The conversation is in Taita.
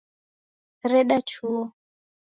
Reda chuo